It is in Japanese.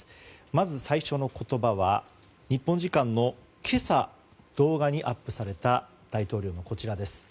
まず最初の言葉は日本時間の今朝動画にアップされた大統領のこちら。